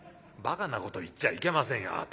「ばかなこと言っちゃいけませんよ